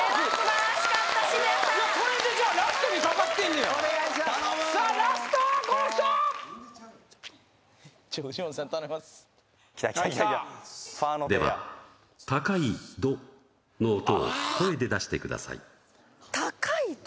はい来たでは高い「ド」の音を声で出してください高い「ド」？